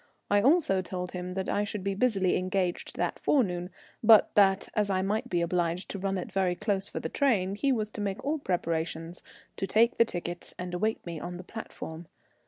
I also told him that I should be busily engaged that forenoon; but that as I might be obliged to run it very close for the train, he was to make all preparations, to take the tickets, and await me on the platform.